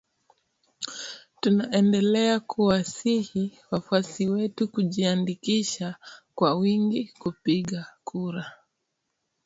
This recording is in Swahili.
Tunaendelea kuwasihi wafuasi wetu kujiandikisha kwa wingi kupiga kura